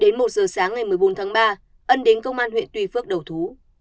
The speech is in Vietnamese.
đến một giờ sáng ngày một mươi bốn tháng ba ân đến công an huyện tuy phước đầu thú